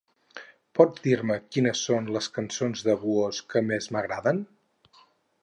Pots dir-me quines són les cançons de Buhos que més m'agraden?